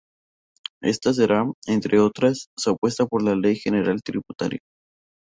Ésta será, entre otras, su apuesta por una Ley General Tributaria.